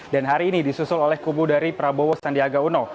dan hari ini disusul oleh kubu dari prabowo sandiaga uno